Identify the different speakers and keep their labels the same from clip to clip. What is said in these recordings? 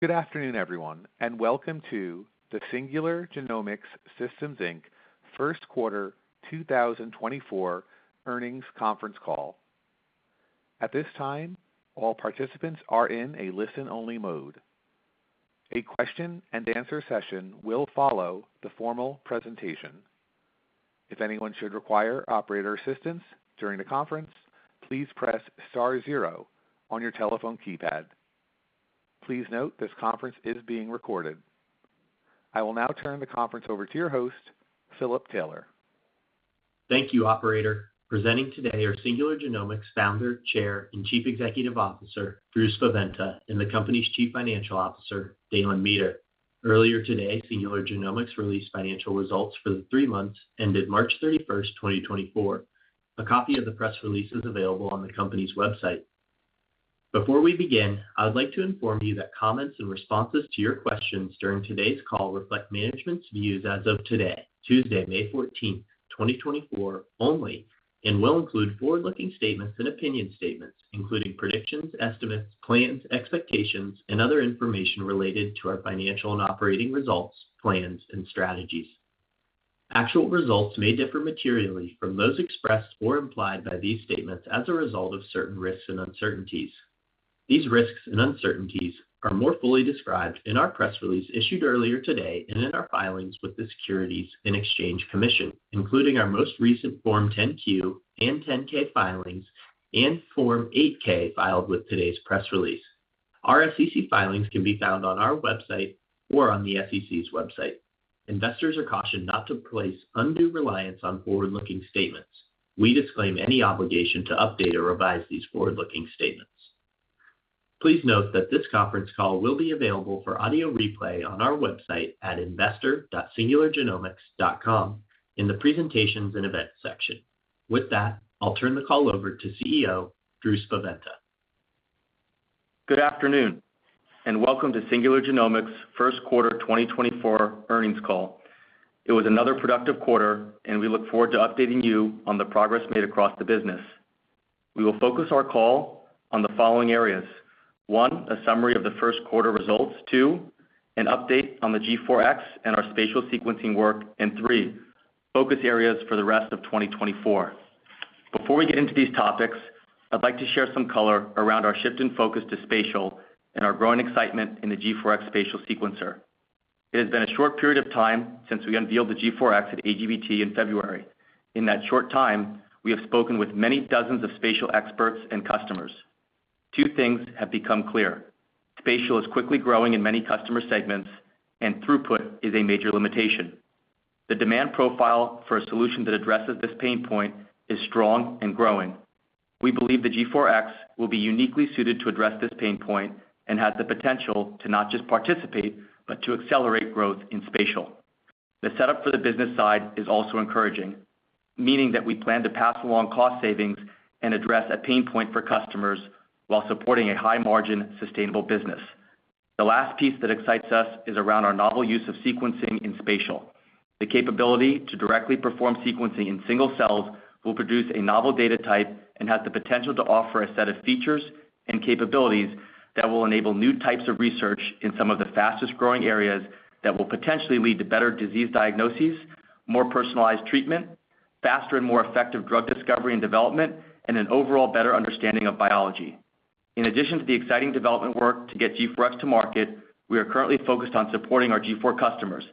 Speaker 1: Good afternoon, everyone, and welcome to the Singular Genomics Systems, Inc., first quarter 2024 earnings conference call. At this time, all participants are in a listen-only mode. A question-and-answer session will follow the formal presentation. If anyone should require operator assistance during the conference, please press star zero on your telephone keypad. Please note this conference is being recorded. I will now turn the conference over to your host, Philip Taylor.
Speaker 2: Thank you, operator. Presenting today are Singular Genomics Founder, Chair, and Chief Executive Officer Drew Spaventa, and the company's Chief Financial Officer, Dalen Meeter. Earlier today, Singular Genomics released financial results for the three months ended March 31, 2024. A copy of the press release is available on the company's website. Before we begin, I would like to inform you that comments and responses to your questions during today's call reflect management's views as of today, Tuesday, May 14, 2024 only, and will include forward-looking statements and opinion statements, including predictions, estimates, plans, expectations, and other information related to our financial and operating results, plans, and strategies. Actual results may differ materially from those expressed or implied by these statements as a result of certain risks and uncertainties. These risks and uncertainties are more fully described in our press release issued earlier today and in our filings with the Securities and Exchange Commission, including our most recent Form 10-Q and 10-K filings and Form 8-K filed with today's press release. Our SEC filings can be found on our website or on the SEC's website. Investors are cautioned not to place undue reliance on forward-looking statements. We disclaim any obligation to update or revise these forward-looking statements. Please note that this conference call will be available for audio replay on our website at investor.singulargenomics.com in the presentations and events section. With that, I'll turn the call over to CEO Drew Spaventa.
Speaker 3: Good afternoon and welcome to Singular Genomics first quarter 2024 earnings call. It was another productive quarter, and we look forward to updating you on the progress made across the business. We will focus our call on the following areas: one, a summary of the first quarter results; two, an update on the G4X and our spatial sequencing work; and three, focus areas for the rest of 2024. Before we get into these topics, I'd like to share some color around our shift in focus to spatial and our growing excitement in the G4X spatial sequencer. It has been a short period of time since we unveiled the G4X at AGBT in February. In that short time, we have spoken with many dozens of spatial experts and customers. Two things have become clear: spatial is quickly growing in many customer segments, and throughput is a major limitation. The demand profile for a solution that addresses this pain point is strong and growing. We believe the G4X will be uniquely suited to address this pain point and has the potential to not just participate but to accelerate growth in spatial. The setup for the business side is also encouraging, meaning that we plan to pass along cost savings and address a pain point for customers while supporting a high-margin, sustainable business. The last piece that excites us is around our novel use of sequencing in spatial. The capability to directly perform sequencing in single cells will produce a novel data type and has the potential to offer a set of features and capabilities that will enable new types of research in some of the fastest-growing areas that will potentially lead to better disease diagnoses, more personalized treatment, faster and more effective drug discovery and development, and an overall better understanding of biology. In addition to the exciting development work to get G4X to market, we are currently focused on supporting our G4 customers,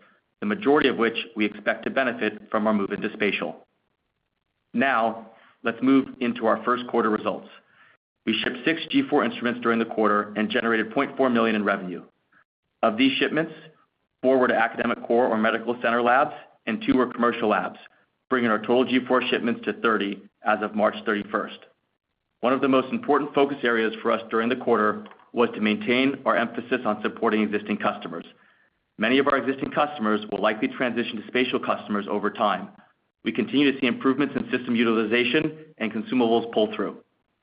Speaker 3: the majority of which we expect to benefit from our move into spatial. Now, let's move into our first quarter results. We shipped six G4 instruments during the quarter and generated $0.4 million in revenue. Of these shipments, four were to academic core or medical center labs, and two were commercial labs, bringing our total G4 shipments to 30 as of March 31. One of the most important focus areas for us during the quarter was to maintain our emphasis on supporting existing customers. Many of our existing customers will likely transition to spatial customers over time. We continue to see improvements in system utilization and consumables pull-through.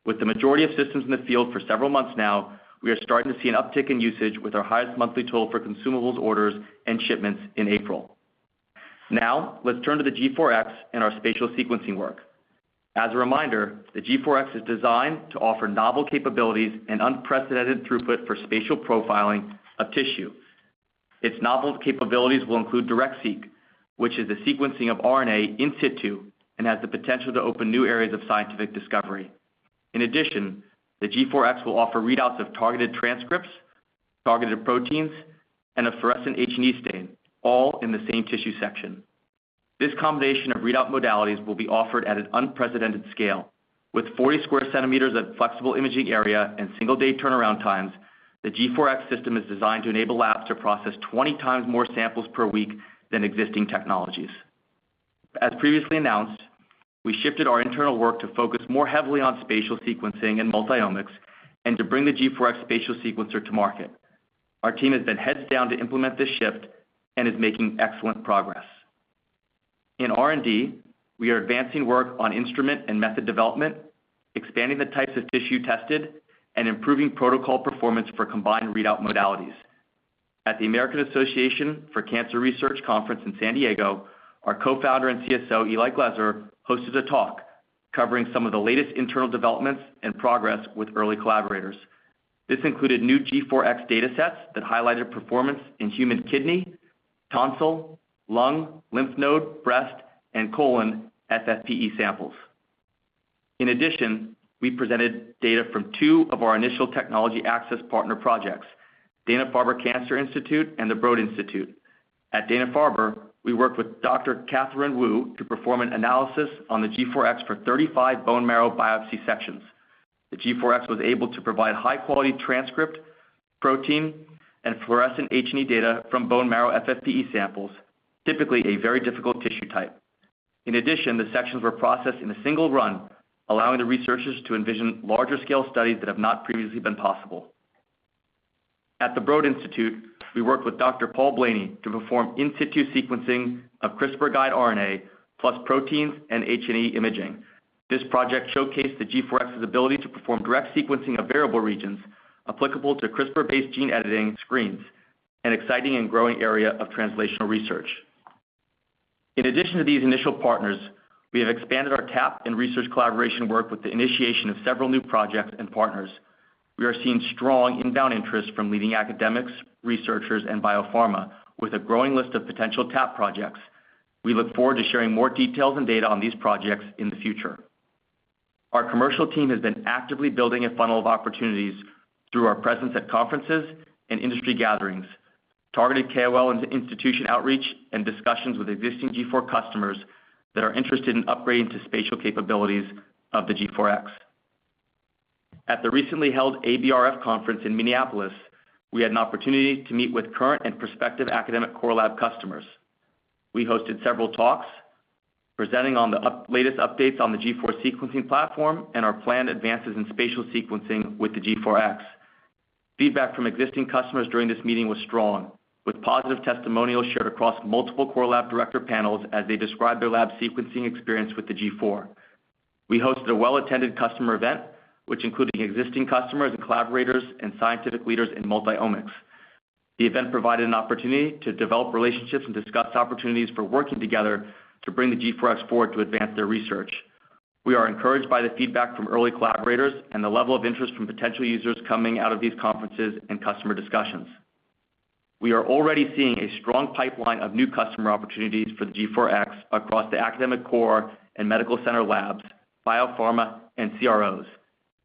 Speaker 3: With the majority of systems in the field for several months now, we are starting to see an uptick in usage with our highest monthly total for consumables orders and shipments in April. Now, let's turn to the G4X and our spatial sequencing work. As a reminder, the G4X is designed to offer novel capabilities and unprecedented throughput for spatial profiling of tissue. Its novel capabilities will include Direct-Seq, which is the sequencing of RNA in situ and has the potential to open new areas of scientific discovery. In addition, the G4X will offer readouts of targeted transcripts, targeted proteins, and a fluorescent H&E stain, all in the same tissue section. This combination of readout modalities will be offered at an unprecedented scale. With 40 sq cm of flexible imaging area and single-day turnaround times, the G4X system is designed to enable labs to process 20 times more samples per week than existing technologies. As previously announced, we shifted our internal work to focus more heavily on spatial sequencing and multiomics and to bring the G4X spatial sequencer to market. Our team has been heads down to implement this shift and is making excellent progress. In R&D, we are advancing work on instrument and method development, expanding the types of tissue tested, and improving protocol performance for combined readout modalities. At the American Association for Cancer Research Conference in San Diego, our co-founder and CSO Eli Glezer hosted a talk covering some of the latest internal developments and progress with early collaborators. This included new G4X data sets that highlighted performance in human kidney, tonsil, lung, lymph node, breast, and colon FFPE samples. In addition, we presented data from two of our initial Technology Access Partner projects, Dana-Farber Cancer Institute and the Broad Institute. At Dana-Farber, we worked with Dr. Catherine Wu to perform an analysis on the G4X for 35 bone marrow biopsy sections. The G4X was able to provide high-quality transcript, protein, and fluorescent H&E data from bone marrow FFPE samples, typically a very difficult tissue type. In addition, the sections were processed in a single run, allowing the researchers to envision larger-scale studies that have not previously been possible. At the Broad Institute, we worked with Dr. Paul Blainey to perform in situ sequencing of CRISPR guide RNA plus proteins and H&E imaging. This project showcased the G4X's ability to perform direct sequencing of variable regions applicable to CRISPR-based gene editing screens, an exciting and growing area of translational research. In addition to these initial partners, we have expanded our TAP and research collaboration work with the initiation of several new projects and partners. We are seeing strong inbound interest from leading academics, researchers, and biopharma with a growing list of potential TAP projects. We look forward to sharing more details and data on these projects in the future. Our commercial team has been actively building a funnel of opportunities through our presence at conferences and industry gatherings, targeted KOL institution outreach, and discussions with existing G4 customers that are interested in upgrading to spatial capabilities of the G4X. At the recently held ABRF conference in Minneapolis, we had an opportunity to meet with current and prospective academic core lab customers. We hosted several talks, presenting on the latest updates on the G4 sequencing platform and our planned advances in spatial sequencing with the G4X. Feedback from existing customers during this meeting was strong, with positive testimonials shared across multiple core lab director panels as they described their lab sequencing experience with the G4. We hosted a well-attended customer event, which included existing customers and collaborators and scientific leaders in multiomics. The event provided an opportunity to develop relationships and discuss opportunities for working together to bring the G4X forward to advance their research. We are encouraged by the feedback from early collaborators and the level of interest from potential users coming out of these conferences and customer discussions. We are already seeing a strong pipeline of new customer opportunities for the G4X across the academic core and medical center labs, biopharma, and CROs.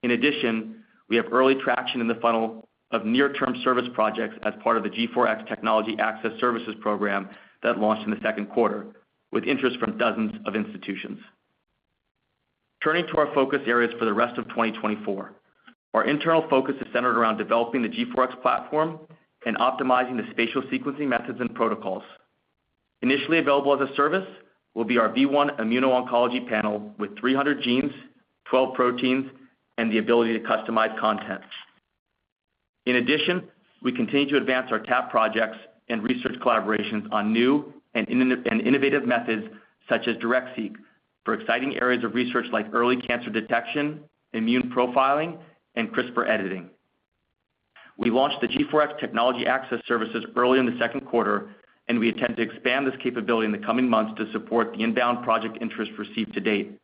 Speaker 3: In addition, we have early traction in the funnel of near-term service projects as part of the G4X Technology Access Services Program that launched in the second quarter, with interest from dozens of institutions. Turning to our focus areas for the rest of 2024, our internal focus is centered around developing the G4X platform and optimizing the spatial sequencing methods and protocols. Initially available as a service will be our V1 Immuno-Oncology Panel with 300 genes, 12 proteins, and the ability to customize content. In addition, we continue to advance our TAP projects and research collaborations on new and innovative methods such as Direct-Seq for exciting areas of research like early cancer detection, immune profiling, and CRISPR editing. We launched the G4X Technology Access Services early in the second quarter, and we intend to expand this capability in the coming months to support the inbound project interest received to date.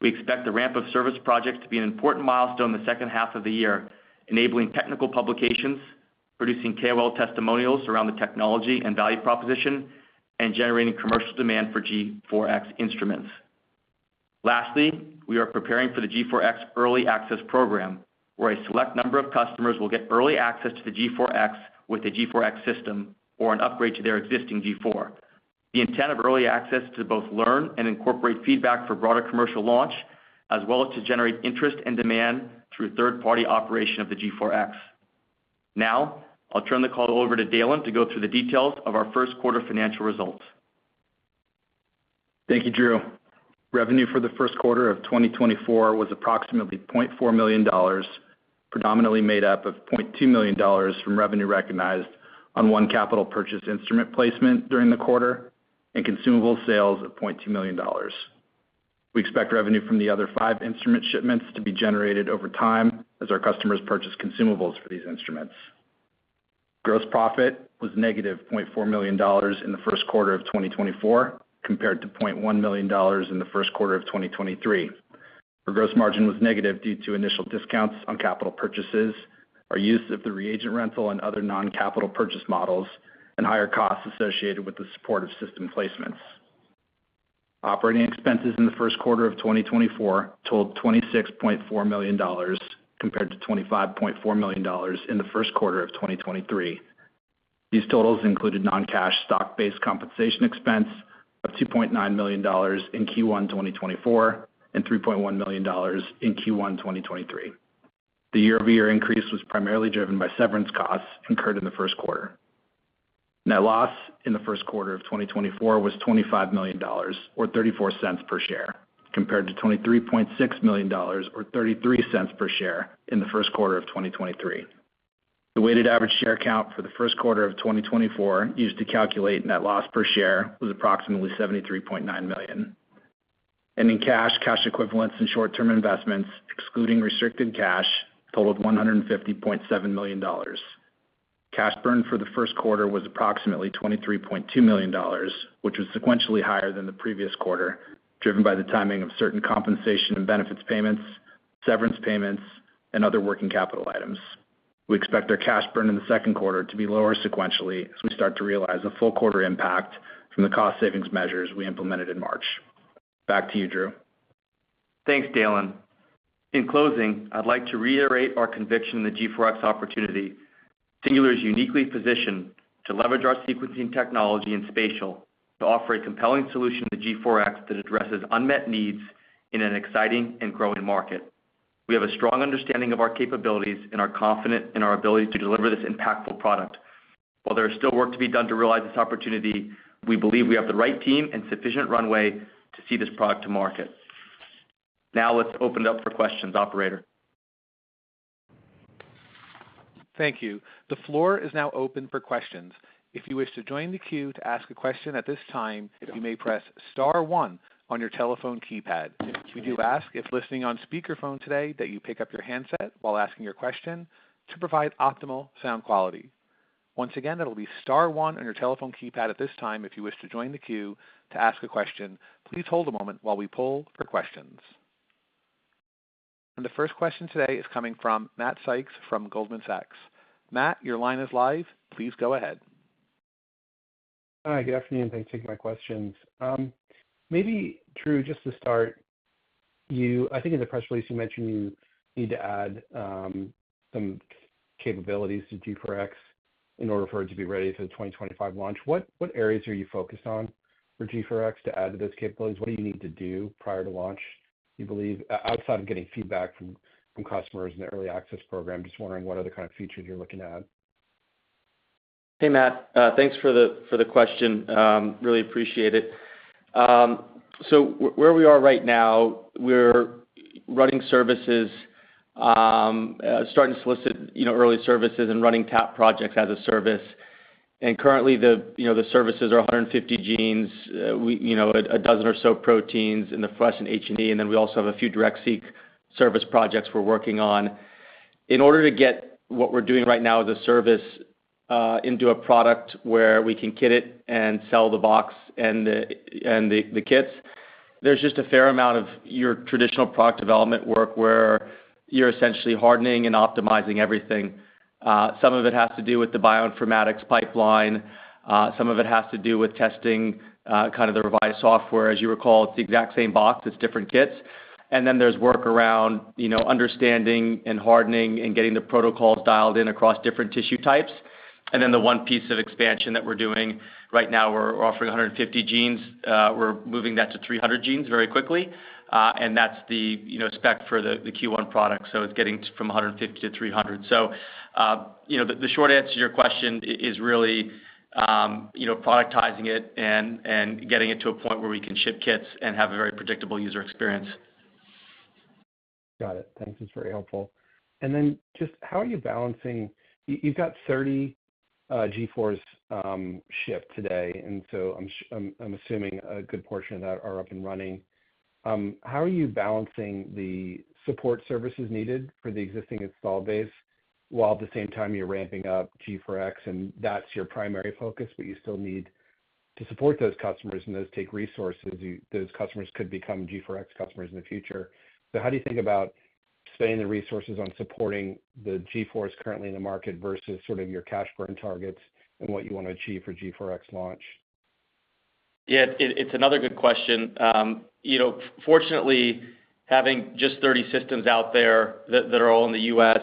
Speaker 3: We expect the ramp of service projects to be an important milestone the second half of the year, enabling technical publications, producing KOL testimonials around the technology and value proposition, and generating commercial demand for G4X instruments. Lastly, we are preparing for the G4X Early Access Program, where a select number of customers will get early access to the G4X with a G4X system or an upgrade to their existing G4. The intent of early access is to both learn and incorporate feedback for broader commercial launch, as well as to generate interest and demand through third-party operation of the G4X. Now, I'll turn the call over to Dalen to go through the details of our first quarter financial results.
Speaker 4: Thank you, Drew. Revenue for the first quarter of 2024 was approximately $0.4 million, predominantly made up of $0.2 million from revenue recognized on one capital purchase instrument placement during the quarter and consumables sales of $0.2 million. We expect revenue from the other five instrument shipments to be generated over time as our customers purchase consumables for these instruments. Gross profit was negative $0.4 million in the first quarter of 2024 compared to $0.1 million in the first quarter of 2023. Our gross margin was negative due to initial discounts on capital purchases, our use of the reagent rental and other non-capital purchase models, and higher costs associated with the support of system placements. Operating expenses in the first quarter of 2024 totaled $26.4 million compared to $25.4 million in the first quarter of 2023. These totals included non-cash stock-based compensation expense of $2.9 million in Q1 2024 and $3.1 million in Q1 2023. The year-over-year increase was primarily driven by severance costs incurred in the first quarter. Net loss in the first quarter of 2024 was $25 million or $0.34 per share compared to $23.6 million or $0.33 per share in the first quarter of 2023. The weighted average share count for the first quarter of 2024 used to calculate net loss per share was approximately 73.9 million. Ending cash, cash equivalents, and short-term investments, excluding restricted cash, totaled $150.7 million. Cash burn for the first quarter was approximately $23.2 million, which was sequentially higher than the previous quarter, driven by the timing of certain compensation and benefits payments, severance payments, and other working capital items. We expect our cash burn in the second quarter to be lower sequentially as we start to realize a full quarter impact from the cost savings measures we implemented in March. Back to you, Drew.
Speaker 3: Thanks, Dalen. In closing, I'd like to reiterate our conviction in the G4X opportunity. Singular is uniquely positioned to leverage our sequencing technology in spatial to offer a compelling solution to the G4X that addresses unmet needs in an exciting and growing market. We have a strong understanding of our capabilities and are confident in our ability to deliver this impactful product. While there is still work to be done to realize this opportunity, we believe we have the right team and sufficient runway to see this product to market. Now, let's open it up for questions, operator.
Speaker 1: Thank you. The floor is now open for questions. If you wish to join the queue to ask a question at this time, you may press star one on your telephone keypad. We do ask if listening on speakerphone today that you pick up your handset while asking your question to provide optimal sound quality. Once again, it'll be star one on your telephone keypad at this time if you wish to join the queue to ask a question. Please hold a moment while we pull for questions. The first question today is coming from Matt Sykes from Goldman Sachs. Matt, your line is live. Please go ahead.
Speaker 5: Hi, good afternoon. Thanks for taking my questions. Maybe, Drew, just to start, I think in the press release, you mentioned you need to add some capabilities to G4X in order for it to be ready for the 2025 launch. What areas are you focused on for G4X to add to those capabilities? What do you need to do prior to launch, you believe, outside of getting feedback from customers in the early access program? Just wondering what other kind of features you're looking at.
Speaker 3: Hey, Matt. Thanks for the question. Really appreciate it. So where we are right now, we're running services, starting to solicit early services and running TAP projects as a service. And currently, the services are 150 genes, 12 or so proteins, and the fluorescent H&E. And then we also have a few Direct-Seq service projects we're working on. In order to get what we're doing right now as a service into a product where we can kit it and sell the box and the kits, there's just a fair amount of your traditional product development work where you're essentially hardening and optimizing everything. Some of it has to do with the bioinformatics pipeline. Some of it has to do with testing kind of the revised software. As you recall, it's the exact same box. It's different kits. Then there's work around understanding and hardening and getting the protocols dialed in across different tissue types. Then the one piece of expansion that we're doing right now, we're offering 150 genes. We're moving that to 300 genes very quickly. That's the spec for the Q1 product. It's getting from 150 to 300. The short answer to your question is really productizing it and getting it to a point where we can ship kits and have a very predictable user experience.
Speaker 5: Got it. Thanks. It's very helpful. Then just how are you balancing? You've got 30 G4s shipped today. And so I'm assuming a good portion of that are up and running. How are you balancing the support services needed for the existing install base while at the same time you're ramping up G4X? And that's your primary focus, but you still need to support those customers and those take resources. Those customers could become G4X customers in the future. So how do you think about spending the resources on supporting the G4s currently in the market versus sort of your cash burn targets and what you want to achieve for G4X launch?
Speaker 3: Yeah, it's another good question. Fortunately, having just 30 systems out there that are all in the US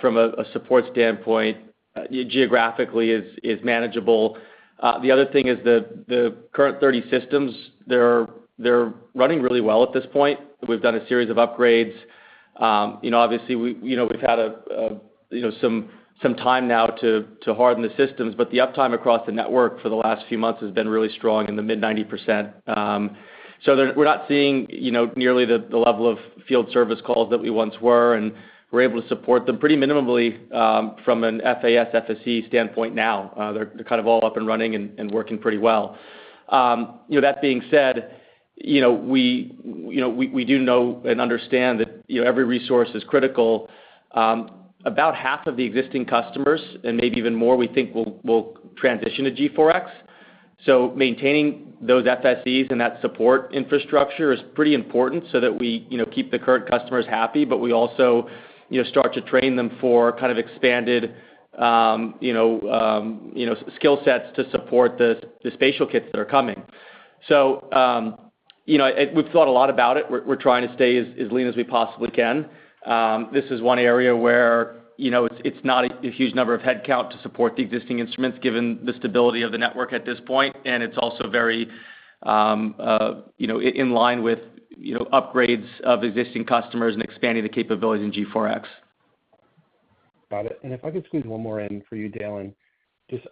Speaker 3: from a support standpoint, geographically, is manageable. The other thing is the current 30 systems, they're running really well at this point. We've done a series of upgrades. Obviously, we've had some time now to harden the systems, but the uptime across the network for the last few months has been really strong in the mid-90%. So we're not seeing nearly the level of field service calls that we once were, and we're able to support them pretty minimally from an FAS/FSE standpoint now. They're kind of all up and running and working pretty well. That being said, we do know and understand that every resource is critical. About half of the existing customers, and maybe even more, we think will transition to G4X. So maintaining those FSEs and that support infrastructure is pretty important so that we keep the current customers happy, but we also start to train them for kind of expanded skill sets to support the spatial kits that are coming. So we've thought a lot about it. We're trying to stay as lean as we possibly can. This is one area where it's not a huge number of headcount to support the existing instruments given the stability of the network at this point. And it's also very in line with upgrades of existing customers and expanding the capabilities in G4X.
Speaker 5: Got it. If I could squeeze one more in for you, Dalen.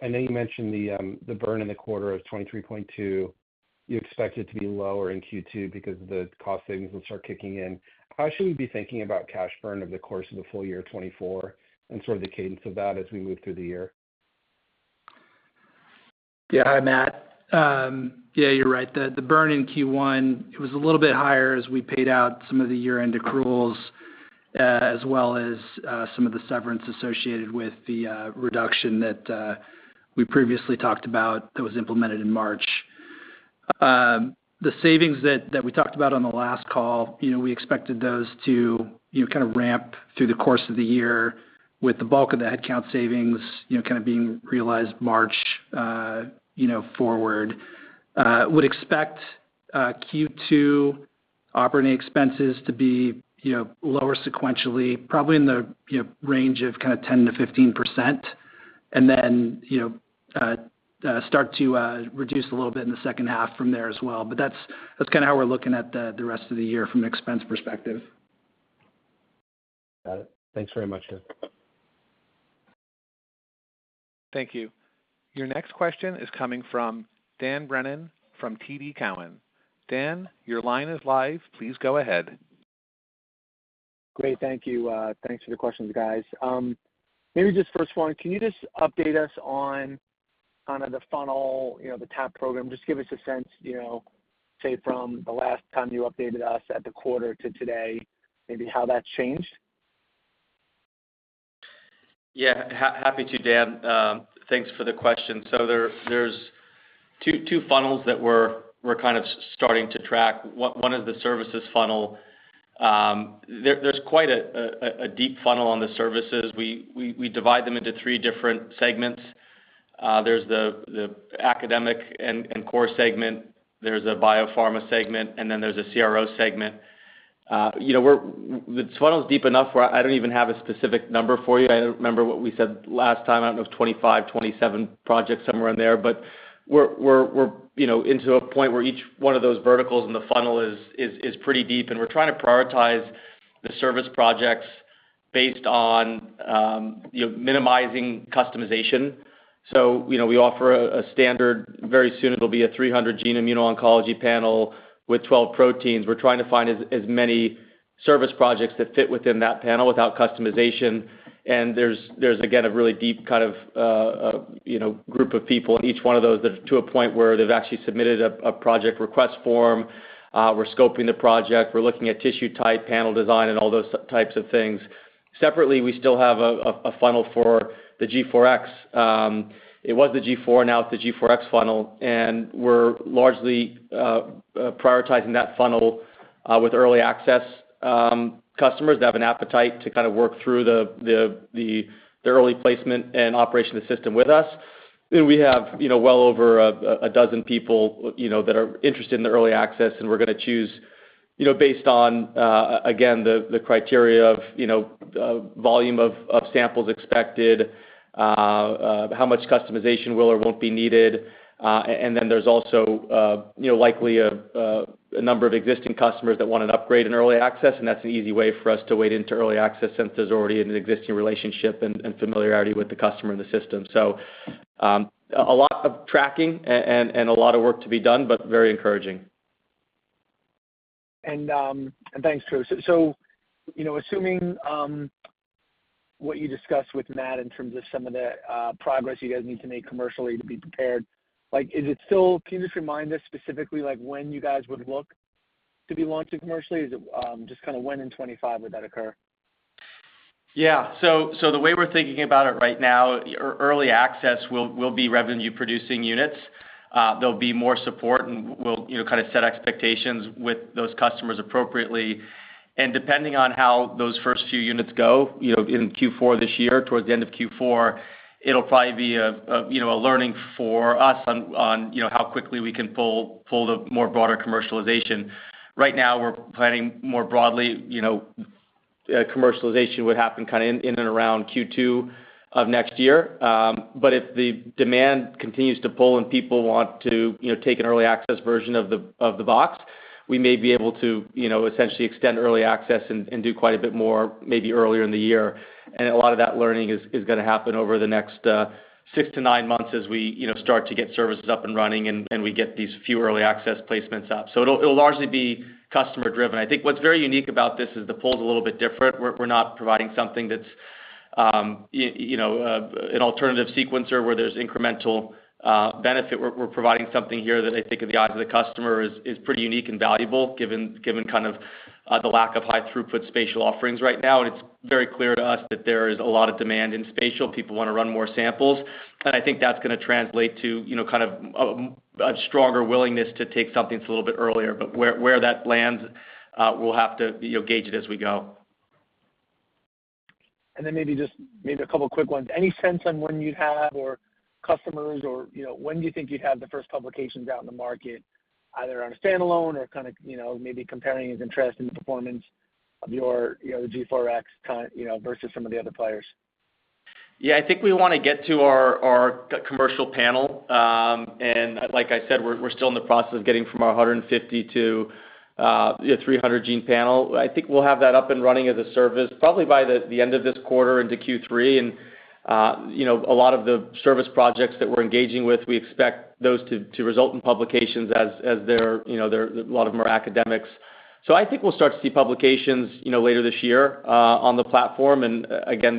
Speaker 5: I know you mentioned the burn in the quarter of $23.2. You expect it to be lower in Q2 because the cost savings will start kicking in. How should we be thinking about cash burn over the course of the full year 2024 and sort of the cadence of that as we move through the year?
Speaker 4: Yeah, hi, Matt. Yeah, you're right. The burn in Q1, it was a little bit higher as we paid out some of the year-end accruals as well as some of the severance associated with the reduction that we previously talked about that was implemented in March. The savings that we talked about on the last call, we expected those to kind of ramp through the course of the year with the bulk of the headcount savings kind of being realized March forward. Would expect Q2 operating expenses to be lower sequentially, probably in the range of kind of 10%-15%, and then start to reduce a little bit in the second half from there as well. But that's kind of how we're looking at the rest of the year from an expense perspective.
Speaker 5: Got it. Thanks very much, guys.
Speaker 1: Thank you. Your next question is coming from Dan Brennan from TD Cowen. Dan, your line is live. Please go ahead.
Speaker 6: Great. Thank you. Thanks for the questions, guys. Maybe just first one, can you just update us on kind of the funnel, the TAP program? Just give us a sense, say, from the last time you updated us at the quarter to today, maybe how that changed?
Speaker 3: Yeah, happy to, Dan. Thanks for the question. So there's 2 funnels that we're kind of starting to track. One is the services funnel. There's quite a deep funnel on the services. We divide them into 3 different segments. There's the academic and core segment. There's a biopharma segment, and then there's a CRO segment. This funnel is deep enough where I don't even have a specific number for you. I don't remember what we said last time. I don't know if 25, 27 projects somewhere in there. But we're into a point where each one of those verticals in the funnel is pretty deep, and we're trying to prioritize the service projects based on minimizing customization. So we offer a standard very soon, it'll be a 300-gene immuno-oncology panel with 12 proteins. We're trying to find as many service projects that fit within that panel without customization. There's, again, a really deep kind of group of people in each one of those that are to a point where they've actually submitted a project request form. We're scoping the project. We're looking at tissue type, panel design, and all those types of things. Separately, we still have a funnel for the G4X. It was the G4. Now it's the G4X funnel. And we're largely prioritizing that funnel with early access customers that have an appetite to kind of work through the early placement and operation of the system with us. We have well over 12 people that are interested in the early access, and we're going to choose based on, again, the criteria of volume of samples expected, how much customization will or won't be needed. And then there's also likely a number of existing customers that want an upgrade in early access. That's an easy way for us to wade into early access since there's already an existing relationship and familiarity with the customer and the system. A lot of tracking and a lot of work to be done, but very encouraging.
Speaker 6: Thanks, Drew. Assuming what you discussed with Matt in terms of some of the progress you guys need to make commercially to be prepared, can you just remind us specifically when you guys would look to be launching commercially? Just kind of when in 2025 would that occur?
Speaker 3: Yeah. So the way we're thinking about it right now, early access will be revenue-producing units. There'll be more support, and we'll kind of set expectations with those customers appropriately. Depending on how those first few units go in Q4 this year, towards the end of Q4, it'll probably be a learning for us on how quickly we can pull the more broader commercialization. Right now, we're planning more broadly. Commercialization would happen kind of in and around Q2 of next year. But if the demand continues to pull and people want to take an early access version of the box, we may be able to essentially extend early access and do quite a bit more maybe earlier in the year. A lot of that learning is going to happen over the next 6-9 months as we start to get services up and running and we get these few early access placements up. So it'll largely be customer-driven. I think what's very unique about this is the pull's a little bit different. We're not providing something that's an alternative sequencer where there's incremental benefit. We're providing something here that I think in the eyes of the customer is pretty unique and valuable given kind of the lack of high throughput spatial offerings right now. And it's very clear to us that there is a lot of demand in spatial. People want to run more samples. And I think that's going to translate to kind of a stronger willingness to take something that's a little bit earlier. But where that lands, we'll have to gauge it as we go.
Speaker 6: And then maybe just maybe a couple of quick ones. Any sense on when you'd have or customers, or when do you think you'd have the first publications out in the market, either on a standalone or kind of maybe comparing your interest and the performance of your G4X versus some of the other players?
Speaker 3: Yeah, I think we want to get to our commercial panel. Like I said, we're still in the process of getting from our 150-300-gene panel. I think we'll have that up and running as a service probably by the end of this quarter into Q3. A lot of the service projects that we're engaging with, we expect those to result in publications as a lot of them are academics. So I think we'll start to see publications later this year on the platform. Again,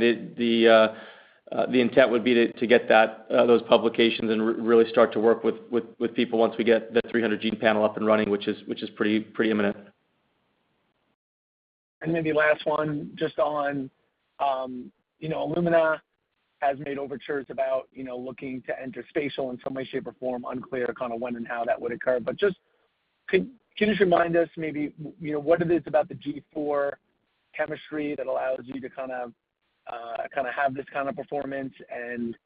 Speaker 3: the intent would be to get those publications and really start to work with people once we get the 300-gene panel up and running, which is pretty imminent.
Speaker 6: And maybe last one, just on Illumina has made overtures about looking to enter spatial in some way, shape, or form. Unclear kind of when and how that would occur. But just can you just remind us maybe what it is about the G4 chemistry that allows you to kind of have this kind of performance? And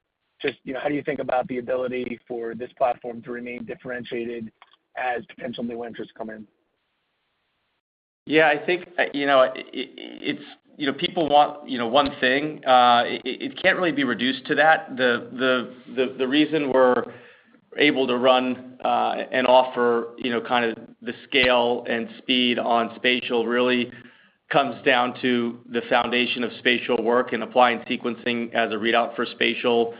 Speaker 6: just how do you think about the ability for this platform to remain differentiated as potential new entrants come in?
Speaker 3: Yeah, I think it's people want one thing. It can't really be reduced to that. The reason we're able to run and offer kind of the scale and speed on spatial really comes down to the foundation of spatial work and applying sequencing as a readout for spatial.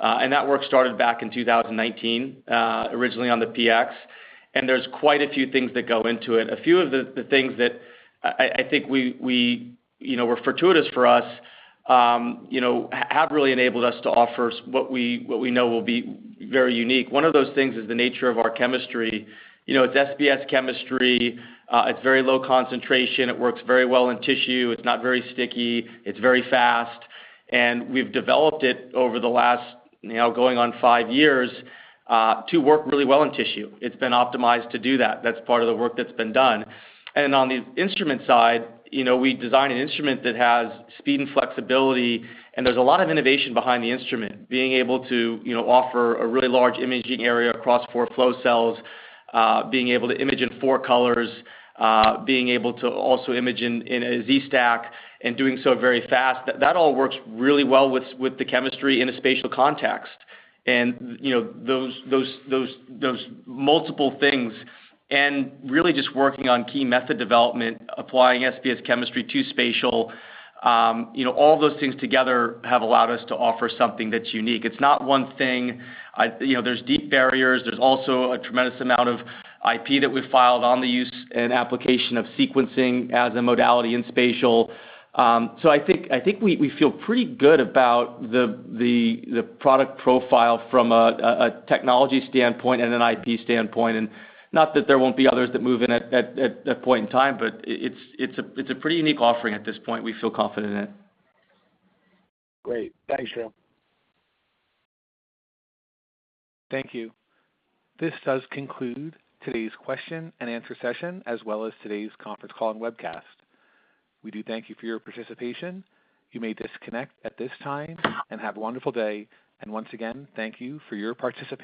Speaker 3: And that work started back in 2019, originally on the PX. And there's quite a few things that go into it. A few of the things that I think were fortuitous for us have really enabled us to offer what we know will be very unique. One of those things is the nature of our chemistry. It's SBS chemistry. It's very low concentration. It works very well in tissue. It's not very sticky. It's very fast. And we've developed it over the last going on five years to work really well in tissue. It's been optimized to do that. That's part of the work that's been done. On the instrument side, we design an instrument that has speed and flexibility. There's a lot of innovation behind the instrument, being able to offer a really large imaging area across four flow cells, being able to image in four colors, being able to also image in a Z-stack and doing so very fast. That all works really well with the chemistry in a spatial context. Those multiple things and really just working on key method development, applying SBS chemistry to spatial, all of those things together have allowed us to offer something that's unique. It's not one thing. There's deep barriers. There's also a tremendous amount of IP that we've filed on the use and application of sequencing as a modality in spatial. I think we feel pretty good about the product profile from a technology standpoint and an IP standpoint. Not that there won't be others that move in at a point in time, but it's a pretty unique offering at this point. We feel confident in it.
Speaker 6: Great. Thanks, Drew.
Speaker 1: Thank you. This does conclude today's question and answer session as well as today's conference call and webcast. We do thank you for your participation. You may disconnect at this time and have a wonderful day. Once again, thank you for your participation.